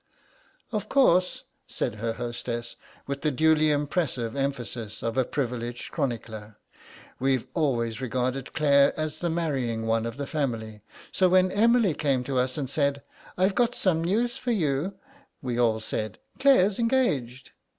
"Of course," said her hostess, with the duly impressive emphasis of a privileged chronicler, "we've always regarded Claire as the marrying one of the family, so when Emily came to us and said, 'I've got some news for you,' we all said, 'Claire's engaged!